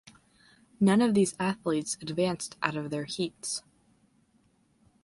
None of those athletes advanced out of their heats.